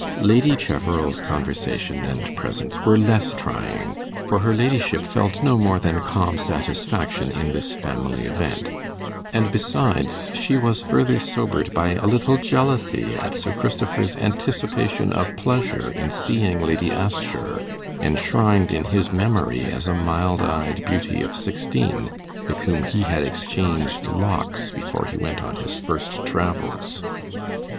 Lady Cheverel's conversation and presence were less trying; for her ladyship felt no more than calm satisfaction in this family event; and besides, she was further sobered by a little jealousy at Sir Christopher's anticipation of pleasure in seeing Lady Assher, enshrined in his memory as a mild eyed beauty of sixteen, with whom he had exchanged locks before he went on his first travels.